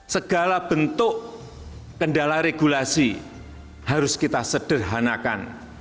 segala bentuk kendala regulasi harus kita sederhanakan